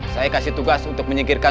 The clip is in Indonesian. saya kasih tugas untuk menyingkirkan